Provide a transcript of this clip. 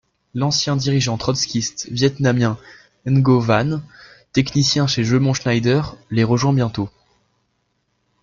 L'ancien dirigeant trotskiste vietnamien Ngô Văn, technicien chez Jeumont Schneider, les rejoint bientôt.